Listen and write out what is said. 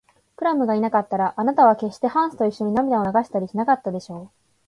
クラムがいなかったら、あなたはけっしてハンスといっしょに涙を流したりしなかったでしょう。